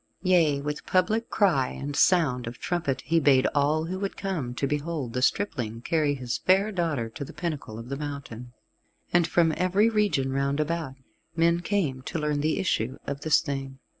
Yea, with public cry and sound of trumpet he bade all who would, come to behold the stripling carry his fair daughter to the pinnacle of the mountain. And from every region round about men came to learn the issue of this thing.